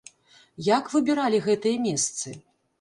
Як выбіралі гэтыя месцы?